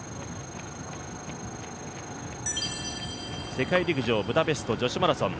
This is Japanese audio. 世界陸上ブダペスト女子マラソン。